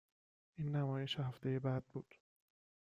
این نمایش هفته بعد بود